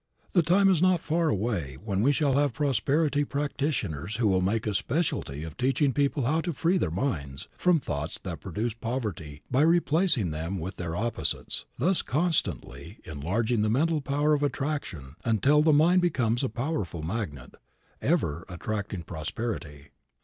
The time is not far away when we shall have prosperity practitioners who will make a specialty of teaching people how to free their minds from thoughts that produce poverty by replacing them with their opposites, thus constantly enlarging the mental power of attraction until the mind becomes a powerful magnet, ever attracting prosperity.